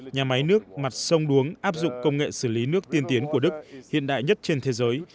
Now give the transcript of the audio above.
nhà máy nước mặt sông đuống áp dụng công nghệ xử lý nước tiên tiến của đức hiện đại nhất trên thế giới